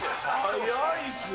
早いですね。